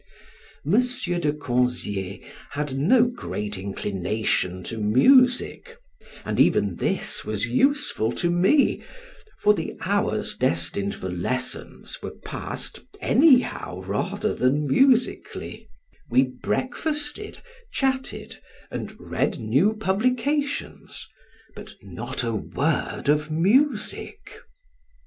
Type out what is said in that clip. M. de Conzie had no great inclination to music, and even this was useful to me, for the hours destined for lessons were passed anyhow rather than musically; we breakfasted, chatted, and read new publications, but not a word of music.